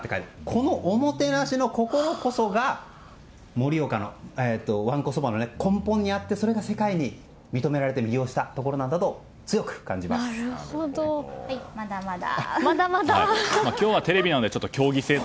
このおもてなしの心こそが盛岡のわんこそばの根本にあってそれが世界に認められたところなんだとまだまだ。